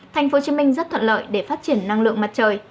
tp hcm rất thuận lợi để phát triển năng lượng mặt trời